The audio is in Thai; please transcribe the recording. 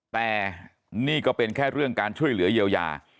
แต่นี่ก็เป็นแค่เรื่องการช่วยเหลือเยียวยา